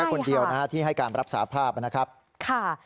คนเดียวนะฮะที่ให้การรับสาภาพนะครับค่ะ